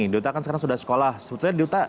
diuta kan sekarang sudah sekolah sebetulnya duta